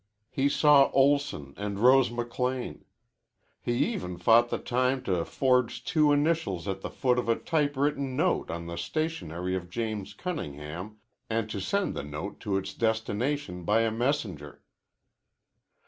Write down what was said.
He saw Olson and Rose McLean. He even found the time to forge two initials at the foot of a typewritten note on the stationery of James Cunningham, and to send the note to its destination by a messenger.